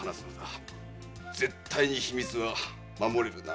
絶対に秘密は守れるな？